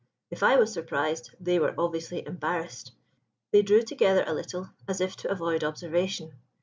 "If I was surprised, they were obviously embarrassed. They drew together a little, as if to avoid observation.